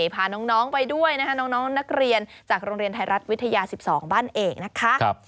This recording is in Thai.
พาน้องไปด้วยนะคะน้องนักเรียนจากโรงเรียนไทยรัฐวิทยา๑๒บ้านเอกนะคะ